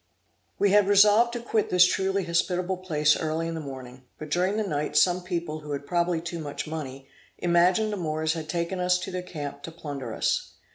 We had resolved to quit this truly hospitable place early in the morning; but during the night, some people who had probably too much money, imagined the Moors had taken us to their camp to plunder us.